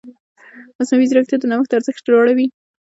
مصنوعي ځیرکتیا د نوښت ارزښت لوړوي.